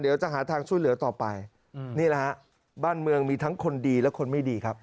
เดี๋ยวจะหาทางช่วยเหลือต่อไปนี่แหละฮะบ้านเมืองมีทั้งคนดีและคนไม่ดีครับ